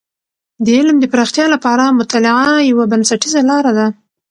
د علم د پراختیا لپاره مطالعه یوه بنسټیزه لاره ده.